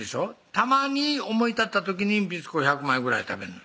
たまに思い立った時に「ビスコ」１００枚ぐらい食べんの？